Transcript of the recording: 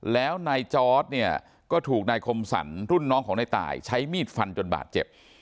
แล้วนายจอร์ดเนี่ยก็ถูกนายคมสรรรุ่นน้องของนายตายใช้มีดฟันจนบาดเจ็บ